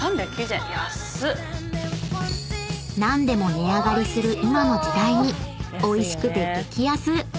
［何でも値上がりする今の時代においしくて激安！